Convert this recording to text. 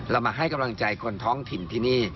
มาให้กำลังใจคนท้องถิ่นที่นี่